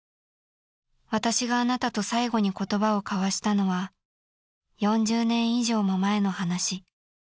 ［「私が貴方と最後に言葉を交わしたのは４０年以上も前の話」］